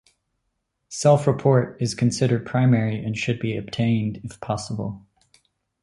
Self-report is considered primary and should be obtained if possible.